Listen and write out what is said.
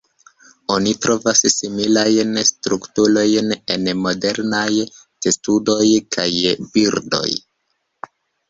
Oni trovas similajn strukturojn en modernaj testudoj kaj birdoj.